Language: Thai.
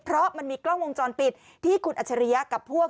เพราะมันมีกล้องวงจรปิดที่คุณอัจฉริยะกับพวก